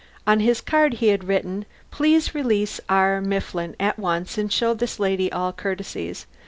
On his card he had written: "Please release R. Mifflin at once and show this lady all courtesies."